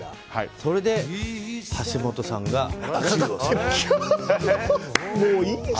それで、橋下さんが。